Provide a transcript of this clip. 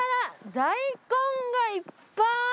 大根がいっぱい！